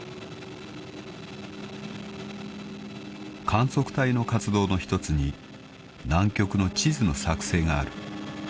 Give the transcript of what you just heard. ［観測隊の活動の一つに南極の地図の作成がある］